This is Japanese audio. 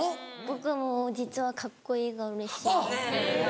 僕も実はカッコいいがうれしいです。